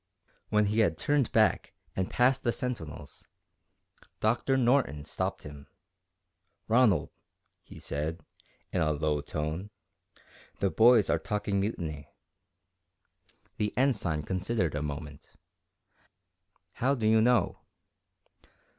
When he had turned back and had passed the sentinels, Doctor Norton stopped him. "Ronald," he said, in a low tone, "the boys are talking mutiny." The Ensign considered a moment. "How do you know?"